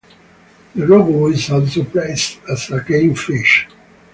The rohu is also prized as a game fish.